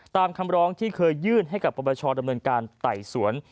ตามคำร้องเช่นที่เคยยื่นฉันให้ประปัชโชคดำเนินการไต่สวน